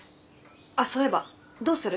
あそういえばどうする？